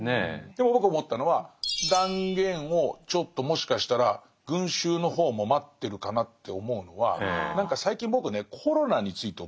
でも僕思ったのは断言をちょっともしかしたら群衆の方も待ってるかなって思うのは何か最近僕ねコロナについて思うんですけどね